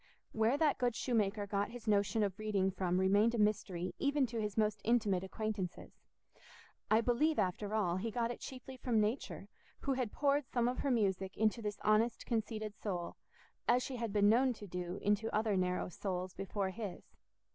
Where that good shoemaker got his notion of reading from remained a mystery even to his most intimate acquaintances. I believe, after all, he got it chiefly from Nature, who had poured some of her music into this honest conceited soul, as she had been known to do into other narrow souls before his.